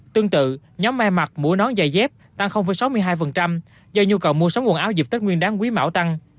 tương tự nhóm me mặt mũa nón dài dép tăng sáu mươi hai do nhu cầu mua sắm quần áo dịp tết nguyên đáng quý mảo tăng